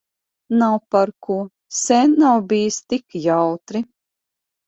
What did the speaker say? Nav par ko. Sen nav bijis tik jautri.